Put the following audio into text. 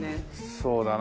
そうだな。